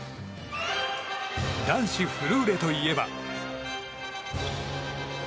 男子フルーレといえば。